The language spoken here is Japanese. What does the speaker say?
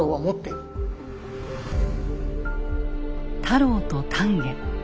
太郎と丹下。